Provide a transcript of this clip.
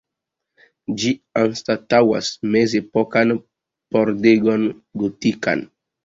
Ĝi anstataŭas mezepokan pordegon gotikan.